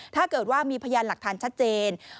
ถ้าเกิดว่ามีพยานหลักฐานชัดเจน